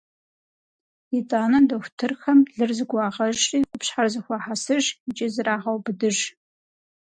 Итӏанэ дохутырхэм лыр зэгуагъэжри, къупщхьэр зэхуахьэсыж икӏи зрагъэубыдыж.